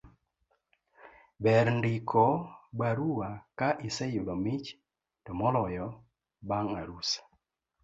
ber ndiko barua ka iseyudo mich to moloyo bang' arus